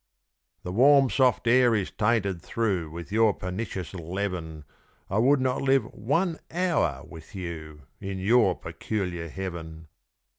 The warm, soft air is tainted through With your pernicious leaven. I would not live one hour with you In your peculiar heaven!